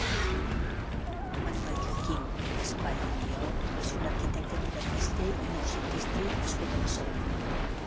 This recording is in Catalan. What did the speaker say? Manuel Joaquim Raspall i Mayol va ser un arquitecte modernista i noucentista nascut a Barcelona.